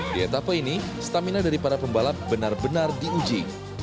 di etapa ini stamina dari para pembalap benar benar diuji